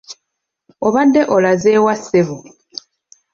Obadde olaze wa ssebo?